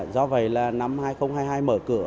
do vậy là năm hai nghìn hai mươi hai mở cửa